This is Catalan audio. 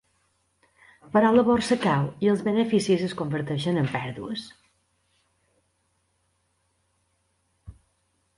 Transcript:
Però la borsa cau i els beneficis es converteixen en pèrdues.